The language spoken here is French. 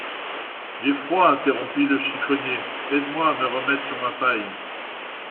J'ai froid, interrompit le chiffonnier, aide-moi à me remettre sur ma paille.